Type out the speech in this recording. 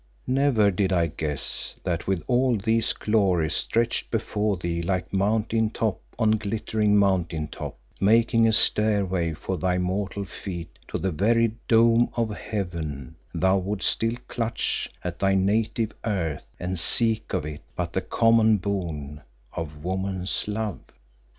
Never did I guess that with all these glories stretched before thee like mountain top on glittering mountain top, making a stairway for thy mortal feet to the very dome of heaven, thou wouldst still clutch at thy native earth and seek of it but the common boon of woman's love.